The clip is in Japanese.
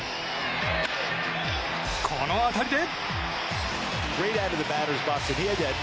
この当たりで。